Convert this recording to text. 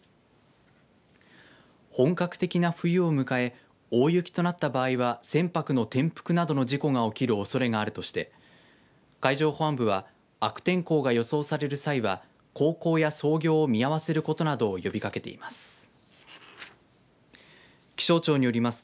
本格的な冬を迎え大雪となった場合は船舶の転覆などの事故が起きるおそれがあるとして海上保安部は悪天候が予想される際は航行や操業を見合わせることなどを呼びかけています。